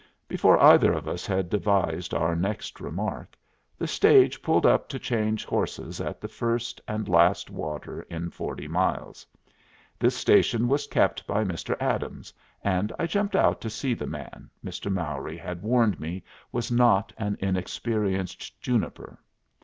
Before either of us had devised our next remark, the stage pulled up to change horses at the first and last water in forty miles. This station was kept by Mr. Adams, and I jumped out to see the man Mr. Mowry had warned me was not an inexperienced juniper.